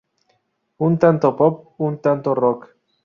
Un tanto pop, un tanto rock.